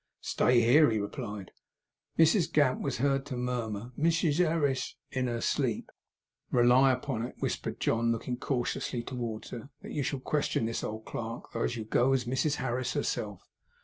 'Stay here,' he replied. Mrs Gamp was heard to murmur 'Mrs Harris' in her sleep. 'Rely upon it,' whispered John, looking cautiously towards her, 'that you shall question this old clerk, though you go as Mrs Harris herself.